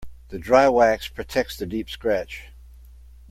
The dry wax protects the deep scratch.